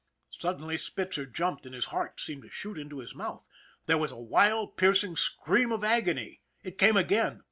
Suddenly Spitzer jumped and his heart seemed to shoot into his mouth. There was a wild, piercing scream of agony. It came again.